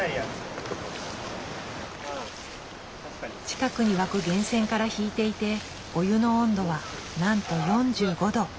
近くに湧く源泉から引いていてお湯の温度はなんと４５度。